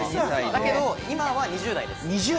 だけど今は２０代です。